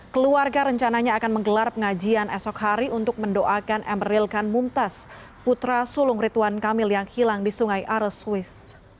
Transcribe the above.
keluarga rencananya akan menggelar pengajian esok hari untuk mendoakan emeril kan mumtaz putra sulung rituan kamil yang hilang di sungai are swiss